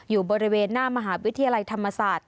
อยู่บริเวณหน้ามหาวิทยาลัยธรรมศาสตร์